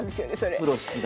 プロ七段。